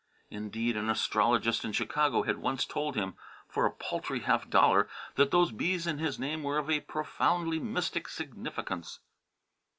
Indeed, an astrologist in Chicago had once told him, for a paltry half dollar, that those B's in his name were of a profoundly mystic significance.